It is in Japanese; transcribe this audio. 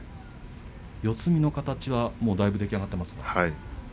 四つ身の形はだいぶ出来上がってますか？